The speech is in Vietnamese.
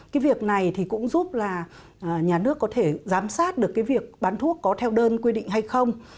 cái việc này thì cũng giúp là nhà nước có thể giám sát được cái việc bán thuốc có theo đơn quy định hay không